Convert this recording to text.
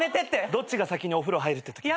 どっちが先にお風呂入るってときも。